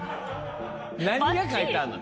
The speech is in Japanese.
何が書いてあんの？